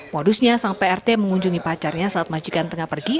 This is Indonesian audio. modusnya sang prt mengunjungi pacarnya saat majikan tengah pergi